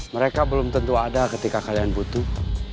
mereka belum tentu ada ketika kalian butuh